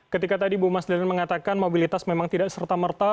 ketika tadi bu mas dalina mengatakan mobilitas memang tidak serta merta